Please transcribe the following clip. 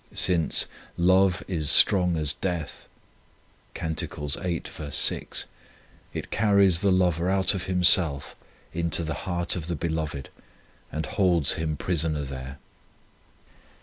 Since " love is strong as death," 1 it carries the lover out of himself into the heart of the beloved, and holds him prisoner there.